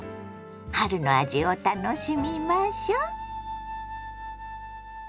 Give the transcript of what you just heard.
春の味を楽しみましょ。